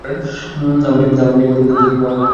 আমাকে নিয়ে মজা করতে তোমার ভালো লাগে, তাই না?